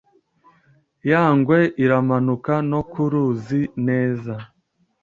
Ya ngwe iramanuka no ku ruzi neza